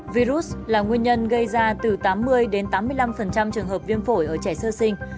virus là nguyên nhân gây ra từ tám mươi đến tám mươi năm trường hợp viêm phổi ở trẻ sơ sinh